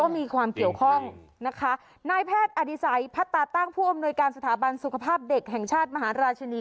มีความเกี่ยวข้องนะคะนายแพทย์อดีศัยพัตตาตั้งผู้อำนวยการสถาบันสุขภาพเด็กแห่งชาติมหาราชินี